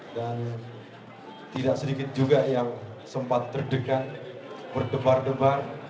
dan tidak sedikit juga yang sempat terdekat berdebar debar